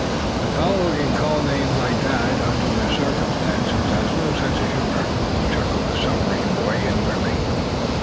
"The fellow who can call names like that, under the circumstances, has no sense of humor!" chuckled the submarine boy, inwardly.